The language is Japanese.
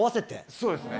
そうですねはい。